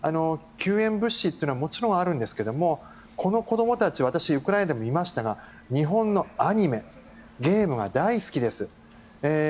救援物資というのはもちろんあるんですけどもこの子供たちは私、ウクライナで見ましたが日本のアニメ、ゲームが大好きです。